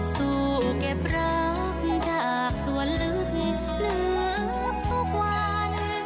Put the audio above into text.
สู้เก็บรักจากส่วนลึกหรือทุกวัน